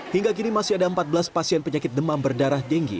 hingga kini masih ada empat belas pasien penyakit demam berdarah dengue